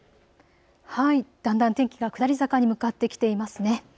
だんだん天気が下り坂に向かってきていますね。